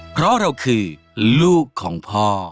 เพราะเราคือลูกของพ่อ